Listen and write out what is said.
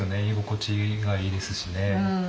居心地がいいですしね。